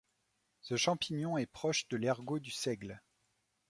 Ce champignon est proche de l'ergot du seigle.